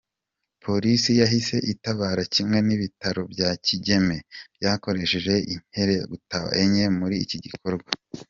Polisi yahise itabara kimwe n’ibitaro bya Kigeme byakoresheje inkeragutaba enye muri iki gikorwa.